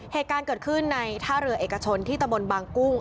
เหตุการณ์เกิดขึ้นในท่าเรือเอกชนที่ตะบนบางกุ้ง